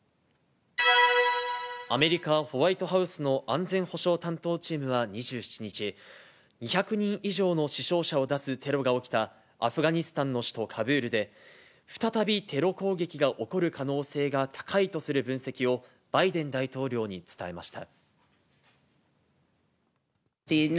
アメリカホワイトハウスの安全保障担当チームは２７日、２００人以上の死傷者を出すテロが起きたアフガニスタンの首都カブールで、再びテロ攻撃が起こる可能性が高いとする分析を、バイデン大統領に伝えました。